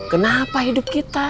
kenapa hidup kita